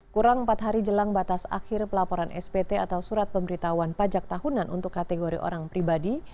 kurang empat hari jelang batas akhir pelaporan spt atau surat pemberitahuan pajak tahunan untuk kategori orang pribadi